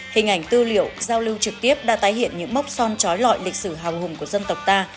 hình ảnh tư liệu giao lưu trực tiếp đã tái hiện những mốc son trói lọi lịch sử hào hùng của dân tộc ta